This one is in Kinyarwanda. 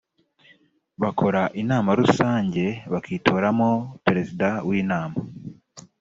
bakora inama rusange bakitoramo perezida w’inama